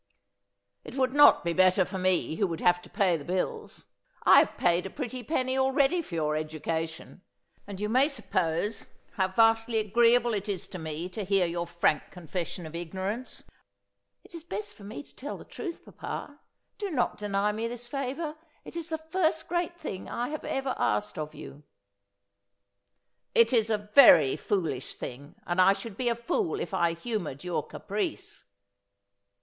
' It would not be better for me who would have to pay the bills. I have paid a pretty penny already for your education ; and you may suppose how vastly agreeable it is to me to hear your frank confession of ignorance.' ' It is best for me to tell the truth, papa. Do not deny me this favour. It is the first great thing I have ever asked of you.' ' It is a very foolish thing, and I should be a fool if 1 humoured your caprice.'